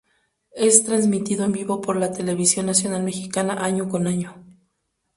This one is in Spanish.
Es transmitido en vivo por la televisión nacional mexicana año con año.